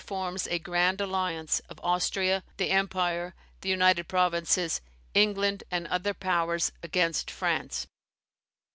forms a "Grand Alliance" of Austria, the Empire, the United Provinces, England, and other powers, against France.